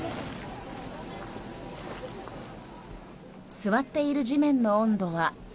座っている地面の温度は。